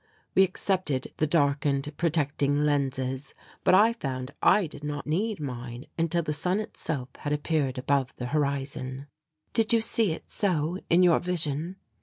We accepted the darkened protecting lenses, but I found I did not need mine until the sun itself had appeared above the horizon. "Did you see it so in your vision?"